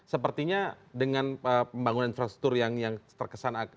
sepertinya dengan pembangunan infrastruktur yang terkesan